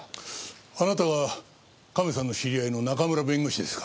あなたがカメさんの知り合いの中村弁護士ですか。